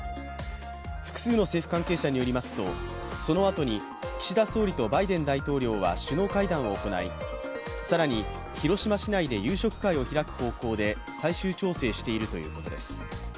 複数の政府関係者によりますとそのあとに岸田総理とバイデン大統領は首脳会談を行い、更に広島市内で夕食会を開く方向で最終調整しているということです。